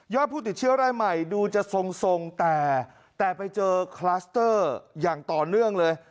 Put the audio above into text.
ผู้ติดเชื้อรายใหม่ดูจะทรงแต่ไปเจอคลัสเตอร์อย่างต่อเนื่องเลย